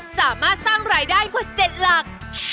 สามารถสร้างรายได้กว่า๗หลัก